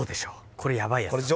これやばいやつだ